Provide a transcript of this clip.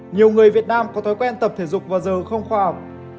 nhiều người việt nam có thói quen tập thể dục vào giờ không khoa học